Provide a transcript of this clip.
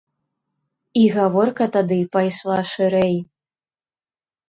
І гаворка тады пайшла шырэй.